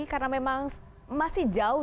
karena memang masih jauh